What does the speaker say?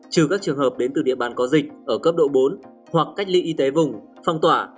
trừ các trường hợp đến từ địa bàn có dịch ở cấp độ bốn hoặc cách ly y tế vùng phong tỏa